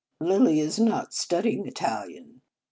" Lilly is not studying Italian.